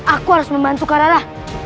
aku harus membantu karara